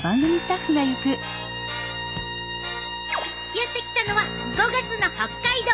やって来たのは５月の北海道！